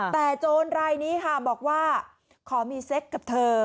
แต่โจรรายนี้ค่ะบอกว่าขอมีเซ็กกับเธอ